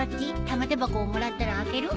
玉手箱をもらったら開ける？